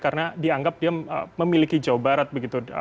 karena dianggap dia memiliki jawa barat begitu